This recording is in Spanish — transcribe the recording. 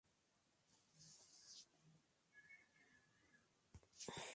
Jackie decide convertirse en un oficial de policía.